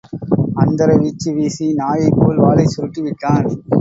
அந்தர வீச்சு வீசி நாயைப் போல் வாலைச் சுருட்டி விட்டான்.